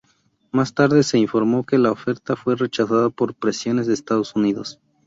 Más tarde se informó que la oferta fue rechazada por presiones de Estados Unidos.